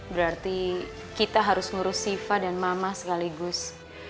berarti kita harus ngurus siva dan mama sekaligus